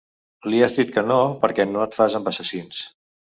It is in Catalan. Li has dit que no perquè no et fas amb assassins.